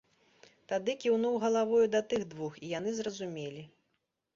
Тады кіўнуў галавою да тых двух, і яны зразумелі.